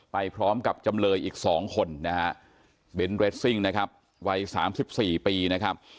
ไปพร้อมกับจำเลยอีก๒คนนะฮะเบนท์เรสซิ่งนะครับวัย๓๔ปีนะครับ